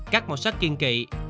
các màu sắc kiên kỵ